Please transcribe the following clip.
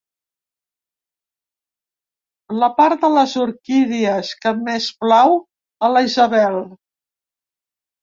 La part de les orquídies que més plau a la Isabel.